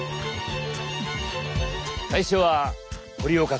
最初は堀岡さん。